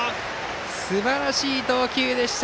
すばらしい投球でした！